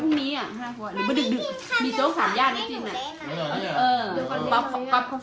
จินในนั้นมันมีเหมือนไม่นุ่มผู้ข้างอ่ะอืมพูดถึงว่าเป็นเด็กพี่เป็นลูกพี่น่ารักมากอย่างน้อย